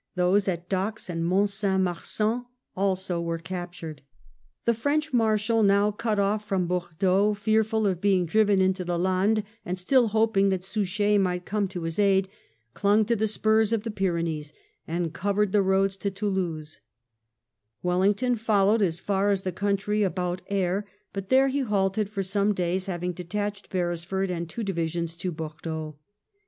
Those at Dax and Mont San Marsan also were captured. . The French Marshal, now cut off from Bordeaux, fearful of being driven into the Landes, and still hoping that Suchet might come to his aid, clung to the spurs of the Pyrenees, and covered the roads to Toulousa Wellington followed as far as the country about Aire, but there he halted for some days, having detached Beresf ord and two divisions to Bordeaux.